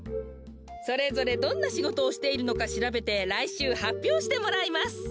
それぞれどんなしごとをしているのかしらべてらいしゅうはっぴょうしてもらいます。